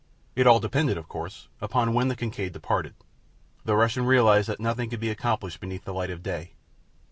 All depended, of course, upon when the Kincaid departed. The Russian realized that nothing could be accomplished beneath the light of day.